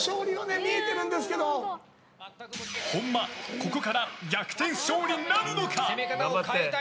本間、ここから逆転勝利なるのか？